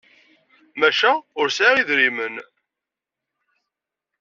Maca ur sɛiɣ idrimen.